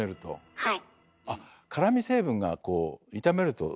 はい。